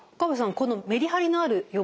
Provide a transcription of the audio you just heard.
このメリハリのある予防対策